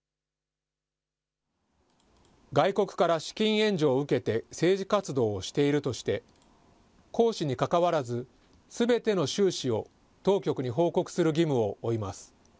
外国から資金援助を受けて政治活動をしているとして、公私にかかわらず、すべての収支を当局に報告する義務を負います。